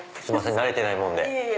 慣れてないもんで。